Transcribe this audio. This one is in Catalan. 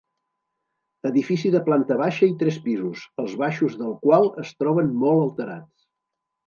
Edifici de planta baixa i tres pisos, els baixos del qual es troben molt alterats.